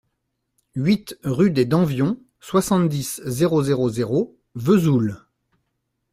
huit rue des Danvions, soixante-dix, zéro zéro zéro, Vesoul